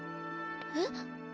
えっ？